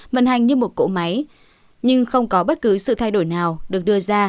vận hành như một cỗ máy nhưng không có bất cứ sự thay đổi nào được đưa ra